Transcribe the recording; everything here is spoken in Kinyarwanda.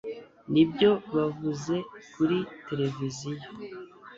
nibyo bavuze kuri tereviziyo